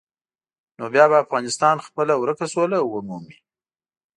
نو بیا به افغانستان خپله ورکه سوله ومومي.